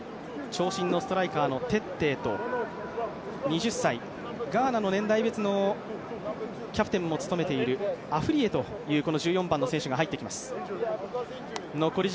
長身のストライカーのテッテーと２０歳、ガーナの年代別のキャプテンも務めているアフリイェというこの１４番の選手が入ってきます。